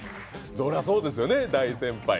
そりゃそうですよね、大先輩。